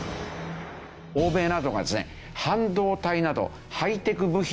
欧米などがですね半導体など。